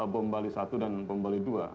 bom balik satu dan bom balik dua